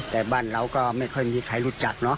แต่บ้านเราก็ไม่ค่อยมีใครรู้จักเนาะ